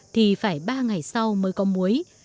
thì phải ba ngày sau mới có muối